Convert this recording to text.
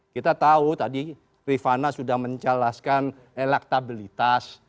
kita tahu tadi rifana sudah menjelaskan elektabilitas